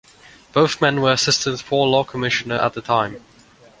Both men were Assistant Poor Law Commissioners at the time.